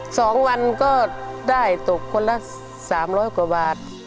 สองวันก็ได้ตกคนละสามร้อยกว่าบาท